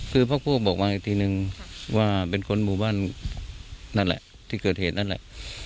คือพวกบอกมาอีกทีนึงว่าเป็นคนหมู่บ้านนั่นแหละที่เกิดเหตุนั่นแหละ